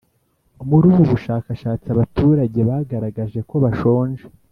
Muri ubu bushakashatsi abaturage bagaragaje ko bashonje